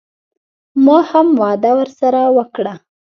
ما هم وعده ورسره وکړه.